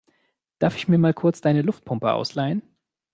Darf ich mir mal kurz deine Luftpumpe ausleihen?